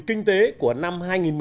kinh tế của năm hai nghìn một mươi sáu